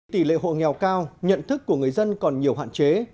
tỷ lệ hộ nghèo cao nhận thức của người dân còn nhiều hạn chế